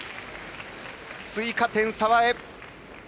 追加点、澤江。